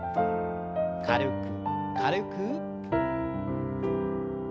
軽く軽く。